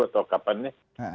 atau kapan ini